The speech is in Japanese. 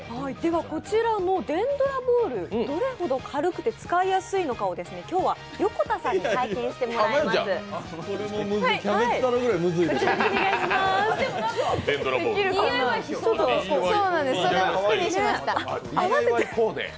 こちらの電ドラボール、どれほど軽くて使いやすいのかを今日は横田さんに体験してもらいます。